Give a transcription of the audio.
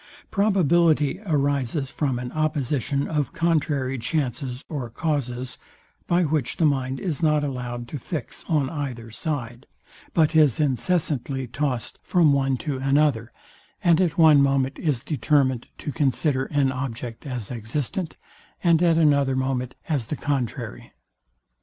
Probability arises from an opposition of contrary chances or causes, by which the mind is not allowed to fix on either side, but is incessantly tost from one to another, and at one moment is determined to consider an object as existent, and at another moment as the contrary.